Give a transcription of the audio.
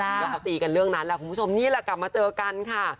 แล้วเขาตีกันเรื่องนั้นแหละคุณผู้ชมนี่แหละกลับมาเจอกันค่ะ